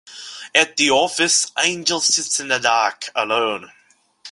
At the office, Angel sits in the dark, alone.